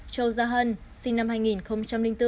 châu gia hân sinh năm hai nghìn bốn